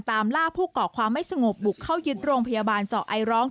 ตามล่าผู้เกาะความไม่สงบบุกเข้ายึดโรงพยาบาลเจาะไอร้อง